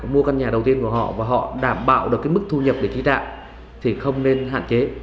mua căn nhà đầu tiên của họ và họ đảm bảo được cái mức thu nhập để trí trạng thì không nên hạn chế